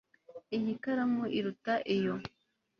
Iyi karamu iruta iyo